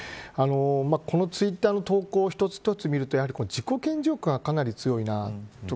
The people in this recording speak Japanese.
このツイッターの投稿一つ一つを見ると自己顕示欲がかなり強いなあと。